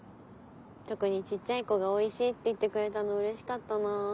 特に小っちゃい子が「おいしい」って言ってくれたのうれしかったなぁ。